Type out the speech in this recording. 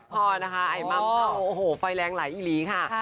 พ่อนะคะไอ้ม่ำเข้าโอ้โหไฟแรงไหลอีหลีค่ะ